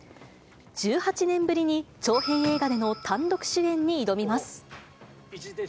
１８年ぶりに長編映画での単独主演に挑みます。